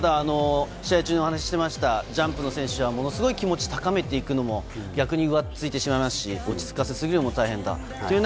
試合中にお話ししていたジャンプの選手はものすごく気持ちを高めていくのも逆に浮ついてしまいますし、落ち着かせすぎるのも大変。